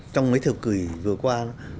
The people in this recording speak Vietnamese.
trong mấy thời kỷ vừa qua